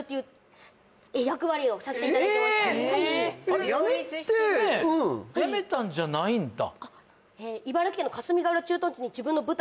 あれ辞めて辞めたんじゃないんだ？